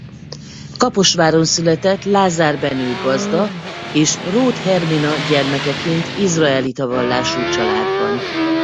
Kaposváron született Lázár Benő gazda és Roth Hermina gyermekeként izraelita vallású családban.